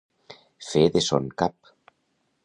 Fer de son cap.